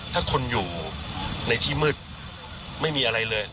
ถ้าคนอยู่ในที่มืดไม่มีอะไรเลย